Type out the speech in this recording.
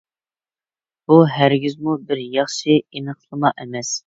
بۇ ھەرگىزمۇ بىر ياخشى ئېنىقلىما ئەمەس.